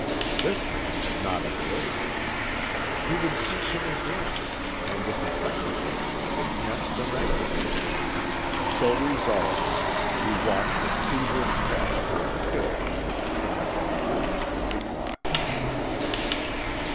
This man had not avoided him. He would seek him again, and, if he found him, would pass the night with him. So resolving, he walked with feverish steps towards the hill on which John Vanbrugh was keeping watch.